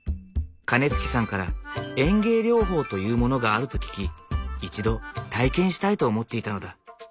金築さんから園芸療法というものがあると聞き一度体験したいと思っていたのだ。